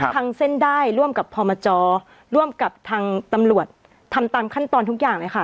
เส้นได้ร่วมกับพมจร่วมกับทางตำรวจทำตามขั้นตอนทุกอย่างเลยค่ะ